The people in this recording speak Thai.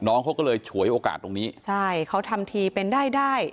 น้องเขาก็เลยฉวยโอกาสตรงนี้ใช่เขาทำทีเป็นได้ได้